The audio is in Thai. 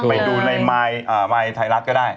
ไปเดู้ในไมลทกด้าย